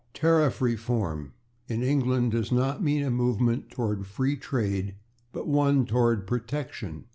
/Tariff reform/, in England, does not mean a movement toward free trade, but one toward protection.